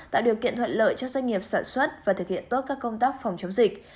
tạo điều kiện thuận lợi cho doanh nghiệp sản xuất và thực hiện tốt các công tác phòng chống dịch